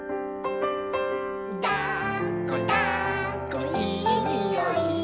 「だっこだっこいいにおい」